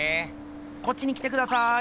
こっちに来てください。